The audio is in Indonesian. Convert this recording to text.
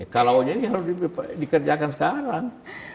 kalau ini harus dikerjakan sekarang